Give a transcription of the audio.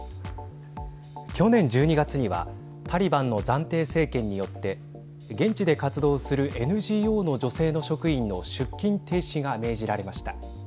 去年１２月にはタリバンの暫定政権によって現地で活動するＮＧＯの女性の職員の出勤停止が命じられました。